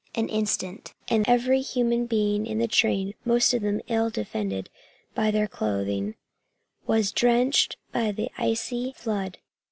An instant and every human being in the train, most of them ill defended by their clothing, was drenched by the icy flood.